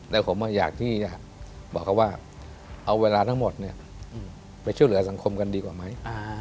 แล้วผมอยากที่จะบอกเขาว่าเอาเวลาทั้งหมดไปช่วยเหลือสังคมกันดีกว่าไหม